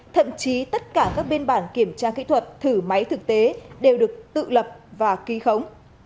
thậm chí tất cả các biên bản kiểm tra kỹ thuật thử máy thực tế đều được tự lập và ký khống